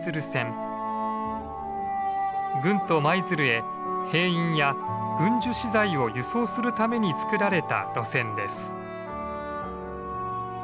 軍都・舞鶴へ兵員や軍需資材を輸送するために造られた路線です。